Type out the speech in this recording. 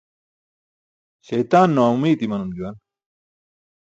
Śaytaan naaomiit imanum juwan.